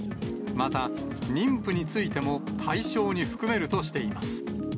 また、妊婦についても対象に含めるとしています。